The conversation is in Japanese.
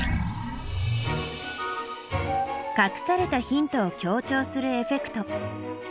かくされたヒントを強調するエフェクト。